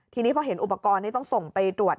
ทีนี้พอเห็นอุปกรณ์นี้ต้องส่งไปตรวจ